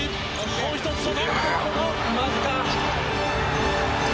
もう一つ外。